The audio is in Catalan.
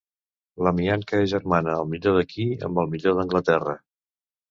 L'amiant que agermana el millor d'aquí amb el millor d'Anglaterra.